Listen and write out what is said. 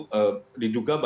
jadi juga berbeda